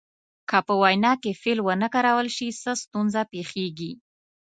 که په وینا کې فعل ونه کارول شي څه ستونزه پیښیږي.